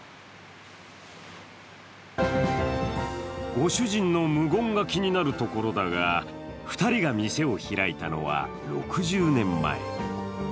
ご主人の無言が気になるところだが２人が店を開いたのは６０年前。